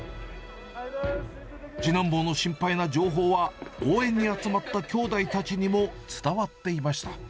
次男坊の心配な情報は、応援に集まったきょうだいたちにも伝わっていました。